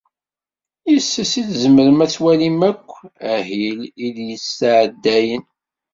Yes-s i tzemrem ad twalim akk ahil i d-yettεeddayen.